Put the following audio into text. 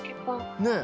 ねえ。